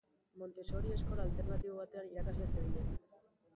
Montessori eskola alternatibo batean irakasle zebilen.